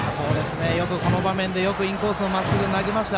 よく、この場面でインコースのまっすぐ投げました。